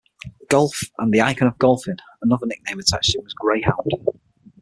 Golf" and "The Icon of Golfing"; another nickname attached to him was "Greyhound".